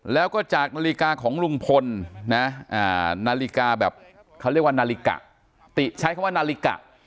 แล้วก็จากนาฬิกาของลุงพลนะนาฬิกาแบบเขาเรียกว่านาฬิกะติใช้คำว่านาฬิกะ